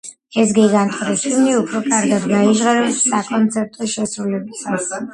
ეს გიგანტური ჰიმნი უფრო კარგად გაიჟღერებს საკონცერტო შესრულებისას.